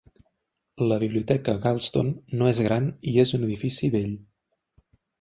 La biblioteca Galston no és gran i és un edific vell.